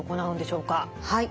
はい。